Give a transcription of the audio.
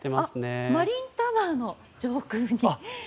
マリンタワーの上空に。